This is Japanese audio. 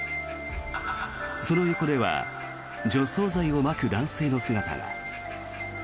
その横では除草剤をまく男性の姿が。